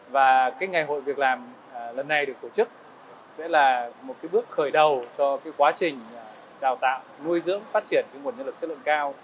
và ngày hội việc làm lần này được tổ chức sẽ là một bước khởi đầu cho quá trình đào tạo nuôi dưỡng phát triển nguồn nhân lực chất lượng cao